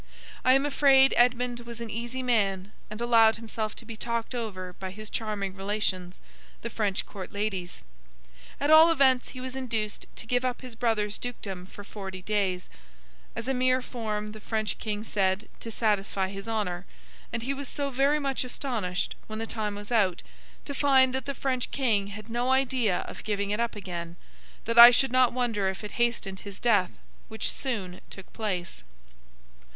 I am afraid Edmund was an easy man, and allowed himself to be talked over by his charming relations, the French court ladies; at all events, he was induced to give up his brother's dukedom for forty days—as a mere form, the French King said, to satisfy his honour—and he was so very much astonished, when the time was out, to find that the French King had no idea of giving it up again, that I should not wonder if it hastened his death: which soon took place.